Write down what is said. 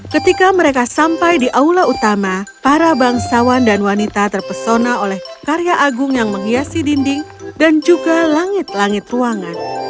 ketika mereka sampai di aula utama para bangsawan dan wanita terpesona oleh karya agung yang menghiasi dinding dan juga langit langit ruangan